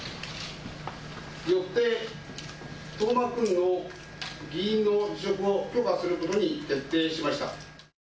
よって東間君の議員の辞職を許可することに決定しました。